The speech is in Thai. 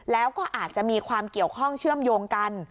แล้วก็อาจจะมีความเกี่ยวข้องเชื่อมโยงกัน